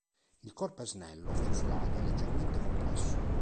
Il corpo è snello, affusolato e leggermente compresso.